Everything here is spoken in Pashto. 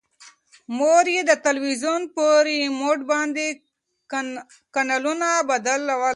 مور یې د تلویزون په ریموټ باندې کانالونه بدلول.